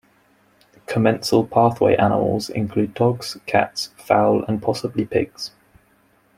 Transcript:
Commensal pathway animals include dogs, cats, fowl, and possibly pigs.